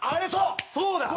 そうだ！